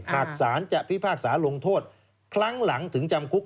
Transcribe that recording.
หากศาลจะพิพากษาลงโทษครั้งหลังถึงจำคุก